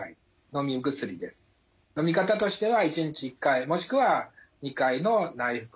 のみ方としては１日１回もしくは２回の内服。